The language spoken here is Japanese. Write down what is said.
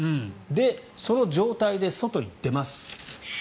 で、その状態で外に出ます。